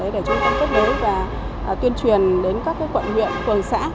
để trung tâm kết lối và tuyên truyền đến các quận nguyện phường xã